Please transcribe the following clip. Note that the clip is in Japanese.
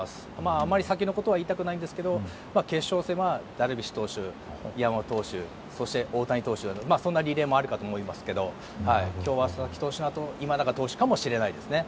あまり先のことは言いたくないんですけど決勝戦はダルビッシュ投手、山本投手そして大谷投手、そんなリレーもあるかと思いますけど今日は、佐々木投手のあと今永投手かもしれないですね。